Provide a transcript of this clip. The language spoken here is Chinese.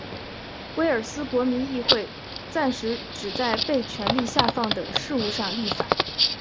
威尔斯国民议会暂时只在被权力下放的事务上立法。